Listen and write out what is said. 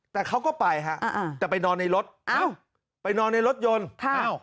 แต่เขาก็ไปแต่ไปนอนในรถไปนอนในรถยนต์